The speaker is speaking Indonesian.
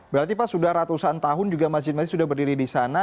berarti pak sudah ratusan tahun juga masjid masjid sudah berdiri di sana